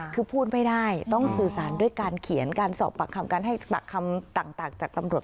คือพูดไม่ได้ต้องสื่อสารด้วยการเขียนการสอบปากคำการให้ปากคำต่างจากตำรวจ